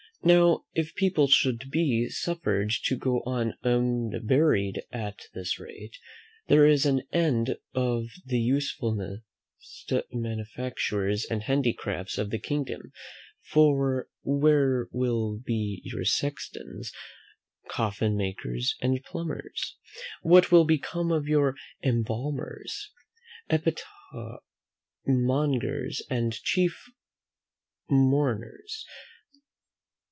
Now, if people should be suffered to go on unburied at this rate, there is an end of the usefullest manufactures and handicrafts of the kingdom; for where will be your sextons, coffin makers, and plumbers? What will become of your embalmers, epitaph mongers, and chief mourners?